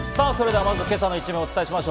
まず今朝の一面をお伝えします。